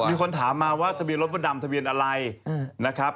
มีคนถามมาว่าทะเบียนรถมดดำทะเบียนอะไรนะครับ